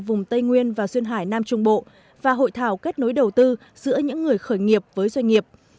vùng tây nguyên và duyên hải nam trung bộ và hội thảo kết nối đầu tư giữa những người khởi nghiệp với doanh nghiệp